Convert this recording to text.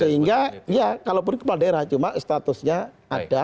sehingga ya kalau punya kepala daerah cuma statusnya ada